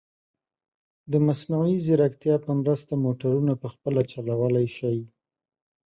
د مصنوعي ځیرکتیا په مرسته، موټرونه په خپله چلولی شي.